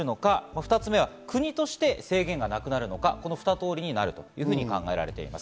２つ目は国として制限がなくなるのか、このふた通りになると考えられています。